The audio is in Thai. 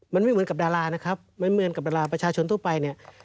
มันไม่เหมือนกับดารานะครับมันเหมือนกับดาราประชาชนทั่วไปเนี่ย